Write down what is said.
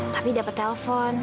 tapi dapet telpon